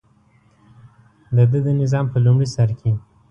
دده د نظام په لومړي سر کې.